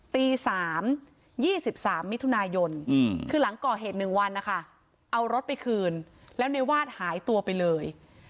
ตีสามยี่สิบสามมิถุนายนคือหลังก่อเหตุหนึ่งวันนะคะเอารถไปคืนแล้วในวาดหายตัวไปเลย